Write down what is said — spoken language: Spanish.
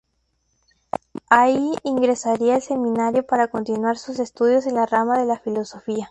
Ahí ingresaría al Seminario para continuar sus estudios en la rama de la Filosofía.